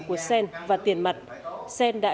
của sen và tiền mặt sen đã